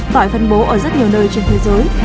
phải phân bố ở rất nhiều nơi trên thế giới